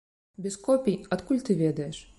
Без копій, адкуль ты ведаеш?